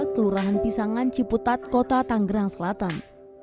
kelurahan pisangan ciputat kota tanggerang selatan